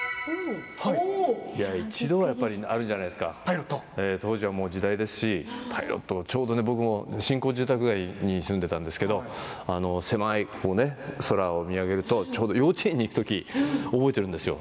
一度はあるじゃないですか当時は時代ですし、パイロットちょうど僕は新興住宅街に住んでいたんですけれど狭い空を見上げるとちょうど幼稚園に行く時覚えているんですよ。